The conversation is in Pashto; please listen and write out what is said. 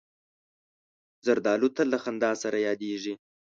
زردالو تل له خندا سره یادیږي.